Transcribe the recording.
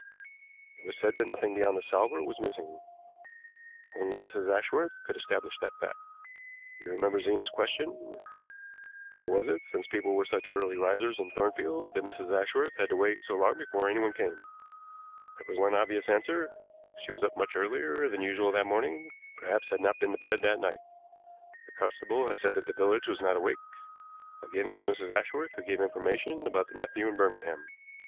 It was said that nothing beyond the salver was missing. Only Mrs. Ashworth could establish that fact. You remember Zena's question: 'How was it, since people were such early risers in Thornfield, that Mrs. Ashworth had to wait so long before anyone came?' There was one obvious answer. She was up much earlier than usual that morning, perhaps had not been to bed that night. The constable had said that the village was not awake. Again, it was Mrs. Ashworth who gave information about the nephew in Birmingham.